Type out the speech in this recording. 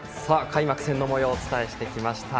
開幕戦のもようをお伝えしてきました。